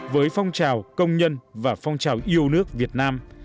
với phong trào công nhân và phong trào yêu nước việt nam